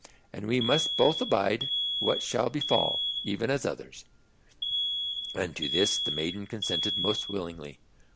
And we must both abide what shall befall, even as others." And to this the maiden consented most willingly.